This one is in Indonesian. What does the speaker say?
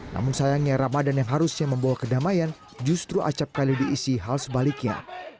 namun sayangnya ramadan yang harusnya membawa kedamaian justru acapkali diisi hal sebaliknya